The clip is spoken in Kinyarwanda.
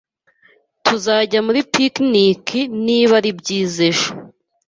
Tuzajya muri picnic niba ari byiza ejo